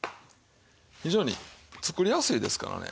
非常に作りやすいですからね。